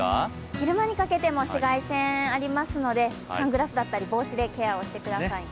昼間にかけても紫外線がありますので、サングラスだったり帽子でケアをしてくださいね。